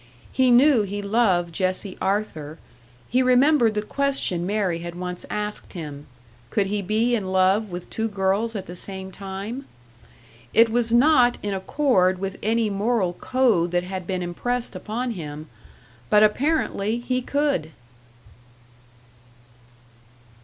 He knew he loved Jessie Arthur; he remembered the question Mary had once asked him could he be in love with two girls at the same time? It was not in accord with any moral code that had been impressed upon him, but apparently he could!